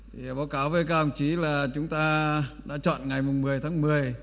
báo cáo với các đồng chí là chúng ta đã chọn ngày một mươi tháng một mươi